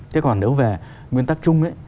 thế còn nếu về nguyên tắc chung ấy